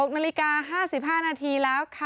๖นาฬิกา๕๕นาทีแล้วค่ะ